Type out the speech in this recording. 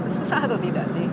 susah atau tidak sih